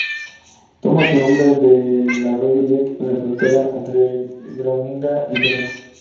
Toma su nombre del arroyo Lek, en la frontera entre Groninga y Drente.